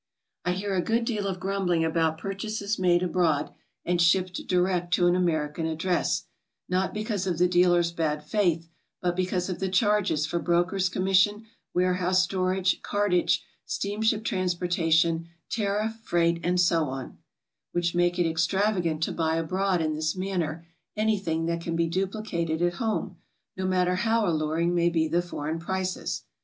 I hear a good deal of grumbling about purchases made abroad and shipped direct to an American address, not be^ cause of the dealer's bad faith, but because of the charges for broker's commission, warehouse storage, cartage, steam ship transportation, tariff, freight, and so on, which make it extravagant to buy abroad in this manner anything that can be duplicated at home, no matter how alluring may be the foreign prices.